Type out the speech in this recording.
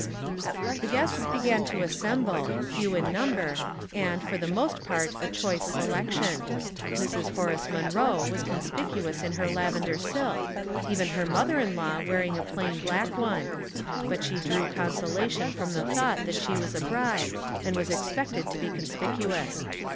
The guests began to assemble, few in number, and, for the most part a choice selection. Mrs. Horace Munroe was conspicuous in her lavender silk, even her mother in law wearing a plain black one; but she drew consolation from the thought that she was a bride, and was expected to be conspicuous.